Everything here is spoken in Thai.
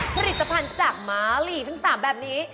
ผลิตสะพันธุ์จากมาลีทั้ง๓แบบนี้